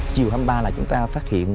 chiều hai mươi ba là chúng ta phát hiện